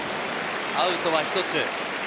アウトは１つ。